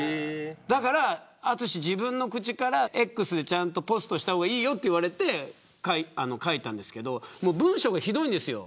自分の口からＸでポストした方がいいよと言われて書いたんですけど文章が、ひどいんですよ。